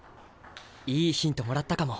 いいヒントもらったかも。